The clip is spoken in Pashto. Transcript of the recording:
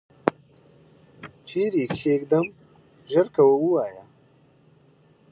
چیري یې کښېږدم ؟ ژر کوه ووایه !